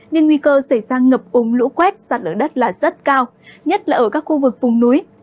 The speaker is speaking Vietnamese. nên nguy cơ xảy ra ngập ống lũ quét sạt lửa đất là rất cao nhất là ở các khu vực phùng núi